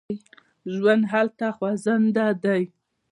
ژوند هلته خوځنده دی.